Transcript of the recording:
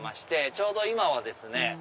ちょうど今はですね。